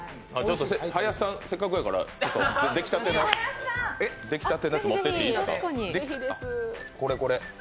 林さん、せっかくやから、出来たてのやつ持っていってもいいですか、これこれ。